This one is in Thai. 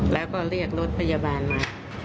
แล้วก็เรียกรถพยาบาลมา